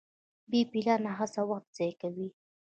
بې پلانه هڅه وخت ضایع کوي.